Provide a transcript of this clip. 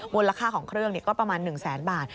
มูลค่าของเครื่องก็ประมาณ๑แสนบาท